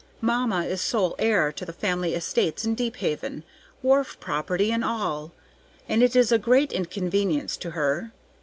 Mamma is sole heir to the family estates in Deephaven, wharf property and all, and it is a great inconvenience to her.